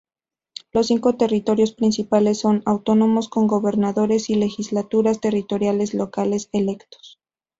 Los cinco territorios principales son autónomos con gobernadores y legislaturas territoriales locales electos.